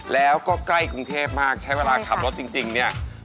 แล้วก็ใกล้กรุงเทพมากใช้เวลาขับรถจริงเนี่ย